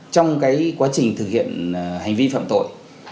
trong quá trình thực hiện hành vi phạm tội